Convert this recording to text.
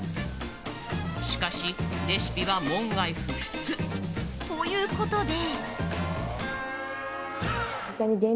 しかし、レシピは門外不出。ということで。